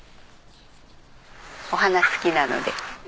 お花好きなので。